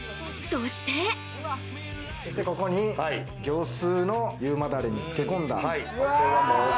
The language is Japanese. そして、ここに業スーの優馬ダレに漬け込んだ。